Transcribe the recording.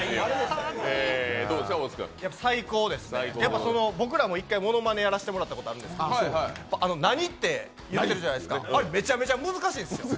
最高です、僕らも１回ものまねやらせてもらったことあるんですけど、あの、何って言うてるじゃないですか、あれ、めちゃめちゃ難しいんですよ